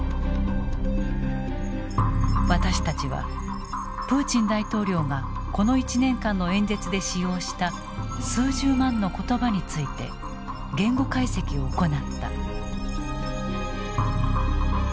私たちはプーチン大統領がこの１年間の演説で使用した数十万の言葉について言語解析を行った。